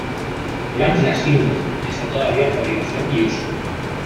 El Atlas V esta todavía en fabricación y uso.